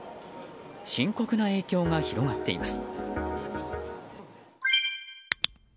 深刻な影響が広がっています。